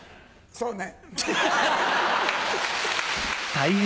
「そうね」。